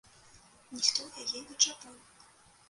Ніхто яе не чапаў.